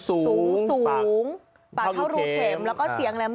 สูงสูงปากเท่ารูเข็มแล้วก็เสียงแหลม